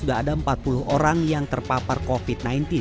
sudah ada empat puluh orang yang terpapar covid sembilan belas